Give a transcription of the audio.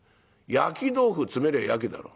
焼き豆腐詰めりゃあ焼きだろ」。